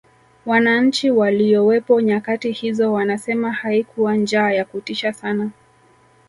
wananchi waliyowepo nyakati hizo wanasema haikuwa njaa ya kutisha sana